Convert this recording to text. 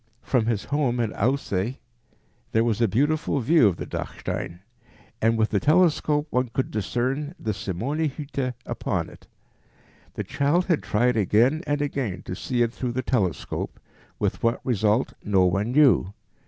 From his home in Aussee there was a beautiful view of the Dachstein, and with a telescope one could discern the Simonyhütte upon it. The child had tried again and again to see it through the telescope, with what result no one knew.